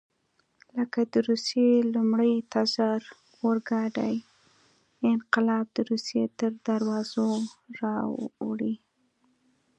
لکه د روسیې لومړي تزار اورګاډی انقلاب د روسیې تر دروازو راوړي.